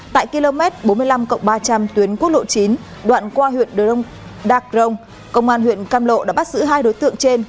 tại km bốn mươi năm ba trăm linh tuyến quốc lộ chín đoạn qua huyện đắk rông công an huyện cam lộ đã bắt giữ hai đối tượng trên